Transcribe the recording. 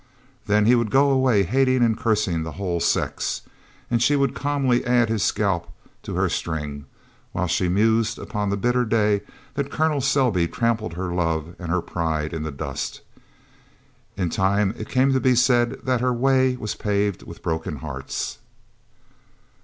Then he would go away hating and cursing the whole sex, and she would calmly add his scalp to her string, while she mused upon the bitter day that Col. Selby trampled her love and her pride in the dust. In time it came to be said that her way was paved with broken hearts.